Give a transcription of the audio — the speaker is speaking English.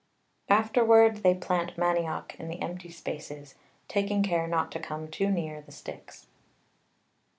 Afterwards they plant Manioc in the empty Spaces, taking care not to come too near the Sticks.